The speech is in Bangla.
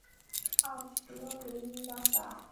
আপনিও নিন না চা।